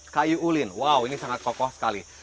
kayu ulin wow ini sangat kokoh sekali